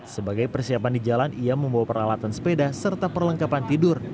sebagai persiapan di jalan ia membawa peralatan sepeda serta perlengkapan tidur